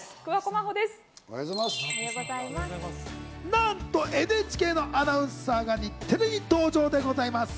なんとＮＨＫのアナウンサーが日テレに登場でございます。